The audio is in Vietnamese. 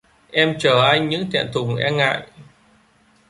Em chờ anh những thẹn thùng e ngại